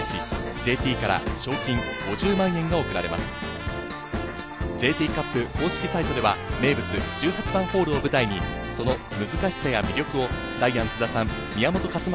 ＪＴカップ公式サイトでは、名物１８番ホールを舞台に、その難しさや魅力をダイアン・津田さん、宮本勝昌